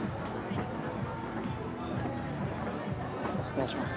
・お願いします。